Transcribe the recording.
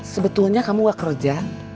sebetulnya kamu nggak kerja